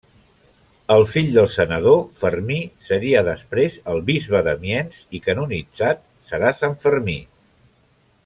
El fill del senador, Fermí seria després el bisbe d'Amiens i, canonitzat, serà Sant Fermí.